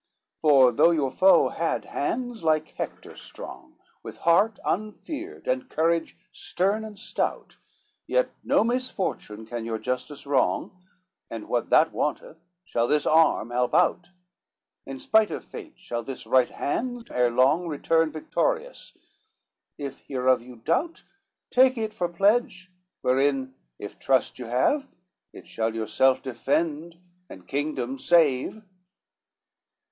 VIII "For though your foe had hands, like Hector strong, With heart unfeared, and courage stern and stout, Yet no misfortune can your justice wrong, And what that wanteth, shall this arm help out, In spite of fate shall this right hand ere long, Return victorious: if hereof you doubt, Take it for pledge, wherein if trust you have, It shall yourself defend and kingdom save."